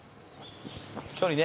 距離ね。